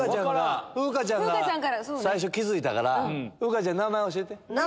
風花ちゃんが最初気付いたから風花ちゃん名前教えて。